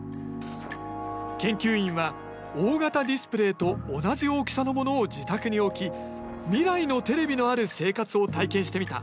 研究員は大型ディスプレーと同じ大きさのものを自宅に置き未来のテレビのある生活を体験してみた。